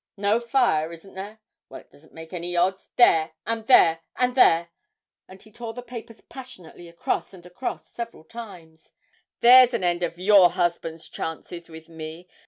No fire, isn't there? Well, it doesn't make any odds. There ... and there ... and there;' and he tore the papers passionately across and across several times. 'There's an end of your husband's chances with me.